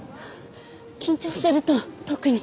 緊張すると特に。